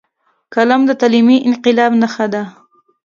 قلم د تعلیمي انقلاب نښه ده